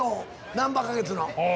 なんば花月の。